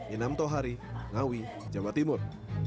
inam tohari ngawi jawa timur